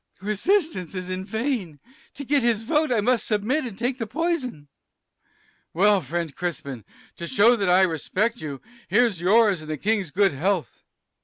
Sir B. Resistance is in vain to get his vote I must submit and take the poison. (aside.) Well, friend Crispin, to show that I respect you, here's yours and the King's good health.